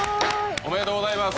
おめでとうございます。